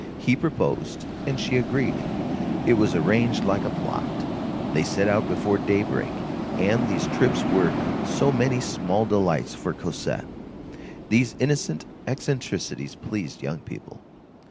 He proposed, and she agreed. It was arranged like a plot, they set out before daybreak, and these trips were so many small delights for Cosette. These innocent eccentricities please young people.